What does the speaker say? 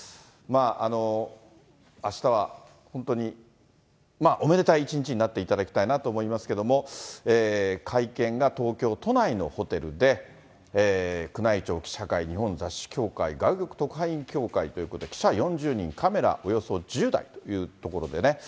あしたは本当に、おめでたい一日になっていただきたいなと思いますけれども、会見が東京都内のホテルで、宮内庁記者会、日本雑誌協会、外国特派員協会ということで、記者４０人、カメラおよそ１０台ということでね。